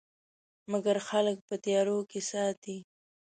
مګر خلک په تیارو کې ساتي.